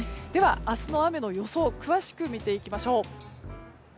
明日の雨の予想を詳しく見ていきましょう。